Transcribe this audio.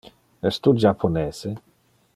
Es tu japonese?